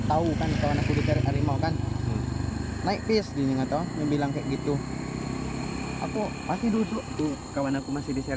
aku sempat bantu